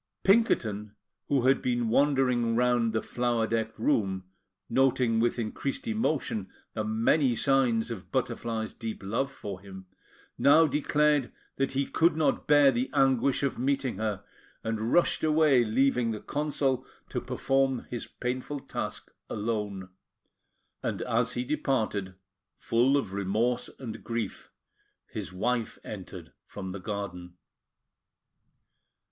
Pinkerton, who had been wandering round the flower decked room, noting with increased emotion the many signs of Butterfly's deep love for him, now declared that he could not bear the anguish of meeting her, and rushed away, leaving the Consul to perform his painful task alone; and as he departed, full of remorse and grief, his wife entered from the garden.